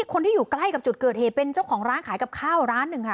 คนที่อยู่ใกล้กับจุดเกิดเหตุเป็นเจ้าของร้านขายกับข้าวร้านหนึ่งค่ะ